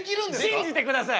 信じてください。